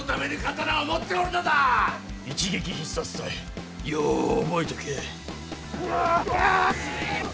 一撃必殺隊よう覚えとけ。